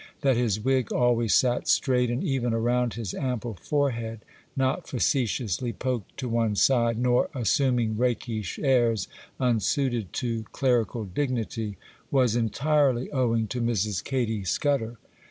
That his wig always sat straight, and even around his ample forehead, not facetiously poked to one side, nor assuming rakish airs, unsuited to clerical dignity, was entirely owing to Mrs. Katy Scudder.